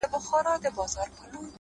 مــروره در څه نـه يمـه ه _